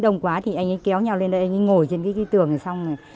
không quá thì anh ấy kéo nhau lên đây anh ấy ngồi trên cái tường này xong rồi